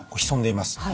潜んでいます。